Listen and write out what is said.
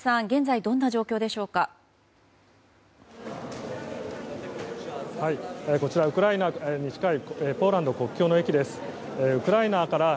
現在、どんな状況でしょうか。